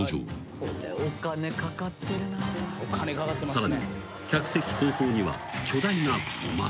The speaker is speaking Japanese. ［さらに客席後方には巨大な的］